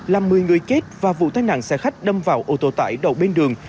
làm một mươi người chết và vụ tai nạn xe khách đâm vào ô tô tải đầu bên đường